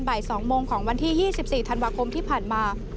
บ่าย๒โมงของวันที่๒๔ธันวาคมที่ผ่านมา